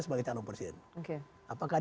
sebagai calon presiden apakah